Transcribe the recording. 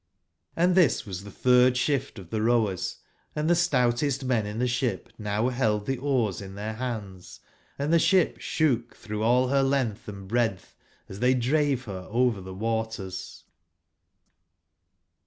Hnd this was tbe third shift of the rowers, and the stoutest men in tbe ship now held the oars in their bands, and the ship shook thro' all her length and breadth as they drave her over th e waters.